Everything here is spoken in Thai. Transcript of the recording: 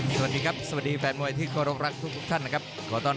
สวัสดีครับสวัสดีแฟนมวยที่โครงรักทุกท่านนะครับ